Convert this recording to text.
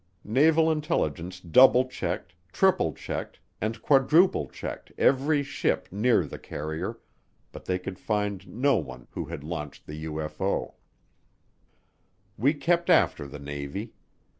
Naval Intelligence double checked, triple checked and quadruple checked every ship near the carrier but they could find no one who had launched the UFO. We kept after the Navy.